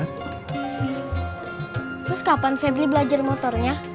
terus kapan febri belajar motornya